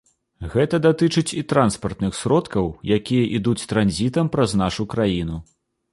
Гэта датычыць і транспартных сродкаў, якія ідуць транзітам праз нашу краіну.